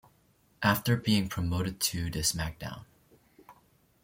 After being promoted to the SmackDown!